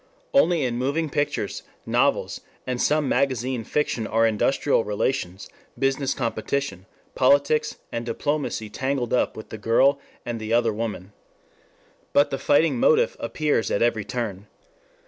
Only in moving pictures, novels, and some magazine fiction are industrial relations, business competition, politics, and diplomacy tangled up with the girl and the other woman. But the fighting motif appears at every turn.